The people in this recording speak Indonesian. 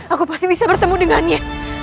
aku pasti bisa bertemu dengannya